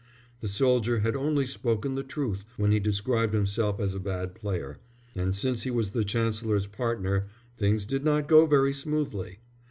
The soldier had only spoken the truth when he described himself as a bad player, and since he was the Chancellor's partner, things did not go very smoothly.